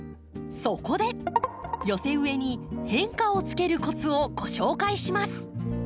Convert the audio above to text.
そこで寄せ植えに変化をつけるコツをご紹介します。